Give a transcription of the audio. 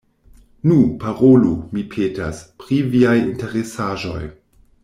Nu, parolu, mi petas, pri viaj interesaĵoj.